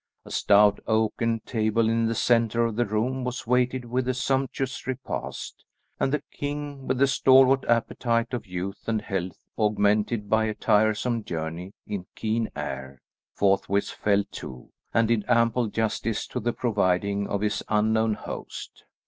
A stout oaken table in the centre of the room was weighted with a sumptuous repast; and the king, with the stalwart appetite of youth and health augmented by a tiresome journey in keen air, forthwith fell to, and did ample justice to the providing of his unknown host.